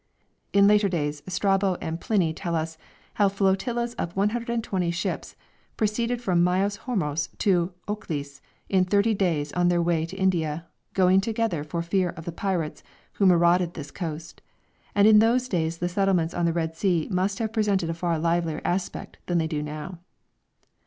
In later days Strabo and Pliny tell us how flotillas of 120 ships proceeded from Myos Hormos to Okelis in thirty days on their way to India, going together for fear of the pirates who marauded this coast, and in those days the settlements on the Red Sea must have presented a far livelier aspect than they do now.